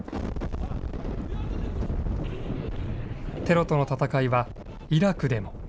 テロとの戦いはイラクでも。